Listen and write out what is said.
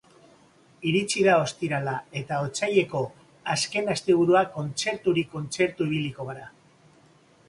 Iritsi da ostirala eta otsaileko azken asteburua kontzerturik kontzertu ibiliko gara.